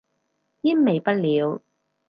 煙味不了